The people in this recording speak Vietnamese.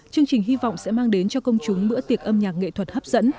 chương trình hy vọng sẽ mang đến cho công chúng bữa tiệc âm nhạc nghệ thuật hấp dẫn